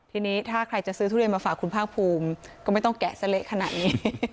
ทีนี้ถ้าใครจะซื้อทุเรียนมาฝากคุณภาคภูมิก็ไม่ต้องแกะซะเละขนาดนี้